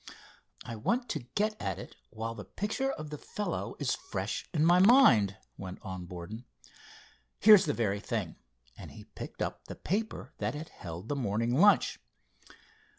"I want to get at it while the picture of the fellow is fresh in my mind," went on Borden. "Here's the very thing," and he picked up the paper that had held the morning lunch.